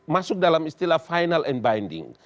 masuk dalam istilah final and binding